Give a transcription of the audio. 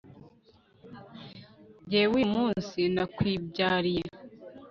jyewe uyu munsi nakwibyariye